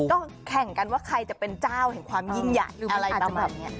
ก็แข่งกันว่าใครจะเป็นเจ้าแห่งความยิ่งใหญ่หรืออะไรประมาณนี้